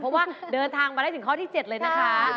เพราะว่าเดินทางมาได้ถึงข้อที่๗เลยนะคะ